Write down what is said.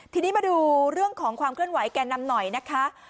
ทีนี้มาดูเรื่องของความเคลื่อนไหวแก่นำหน่อยนะคะ